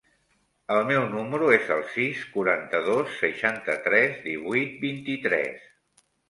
El meu número es el sis, quaranta-dos, seixanta-tres, divuit, vint-i-tres.